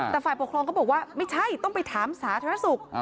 แต่ฝ่ายปกครองก็บอกว่าไม่ใช่ต้องไปถามสาธารณสุข